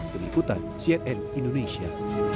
berikutan cnn indonesia